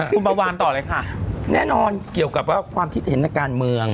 คุณเบาวานต่อเลยค่ะแน่นอนเกี่ยวกับว่าความคิดเห็นทางการเมือง